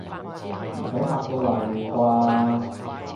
唔使嚇到瀨尿啩